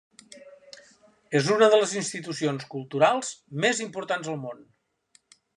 És una de les institucions culturals més importants al món.